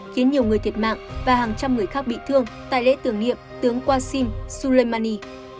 khiến nhiều người thiệt mạng và hàng trăm người khác bị thương tại lễ tưởng niệm tướng qasim soleimani